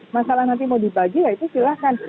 masalah nanti mau dibagi ya itu silahkan